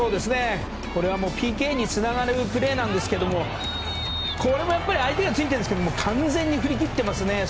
これはＰＫにつながるプレーなんですがこれも相手がついていますが完全に振り切っていますね。